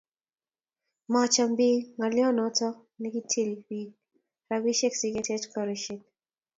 Machom biik ngalyot noto nakitili biik rabisiek si ketech korisiek